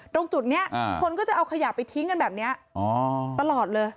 ตรงจุดนี้คนก็จะเอาขยะไปทิ้งกันแบบนี้ตลอดเลย